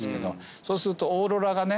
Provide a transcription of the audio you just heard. そうするとオーロラがね